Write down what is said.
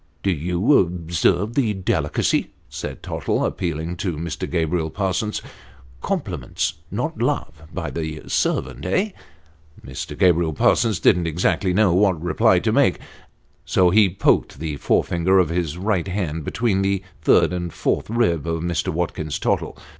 "Do you observe the delicacy?" said Tottle, appealing to Mr. Gabriel Parsons. " Compliments not love, by the servant, eh ?" Mr. Gabriel Parsons didn't exactly know what reply to make, so he poked the forefinger of his right hand between the third and fourth ribs of Mr. Watlrins Tottle.